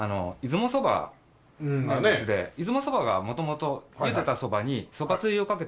出雲そばが元々ゆでたそばにそばつゆをかけて食べる。